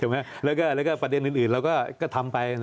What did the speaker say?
แล้วก็ประเด็นอื่นเราก็ทำไป